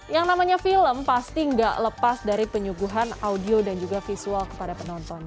yang namanya film pasti gak lepas dari penyuguhan audio dan juga visual kepada penonton